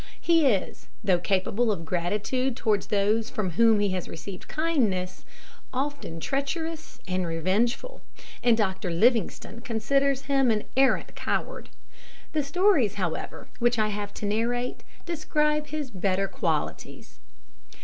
He is, though capable of gratitude towards those from whom he has received kindness, often treacherous and revengeful, and Dr Livingstone considers him an arrant coward. The stories, however, which I have to narrate, describe his better qualities.